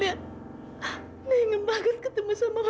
dia nengang banget ketemu sama mama